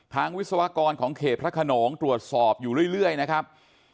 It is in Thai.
วิศวกรของเขตพระขนงตรวจสอบอยู่เรื่อยนะครับ